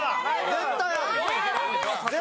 絶対ある。